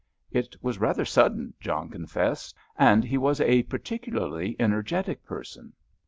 "It was rather sudden," John confessed, "and he was a particularly energetic person."